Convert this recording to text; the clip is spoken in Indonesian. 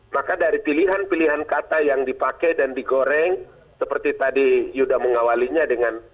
maka dari pilihan pilihan kata yang dipakai dan digoreng seperti tadi yuda mengawalinya dengan